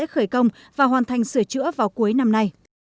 khởi công và hoàn thành sửa chữa vào cuối năm nay